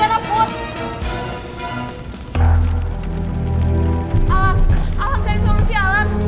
alhamdulillah alhamdulillah kita bisa cari solusi alham